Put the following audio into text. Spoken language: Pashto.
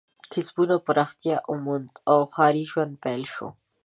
کسبونه پراختیا ومونده او ښاري ژوند پیل شو.